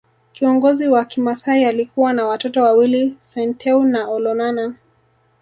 Kiongozi wa kimasai alikuwa na watoto wawili Senteu na Olonana